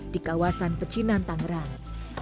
di kawasan pecinan tangerang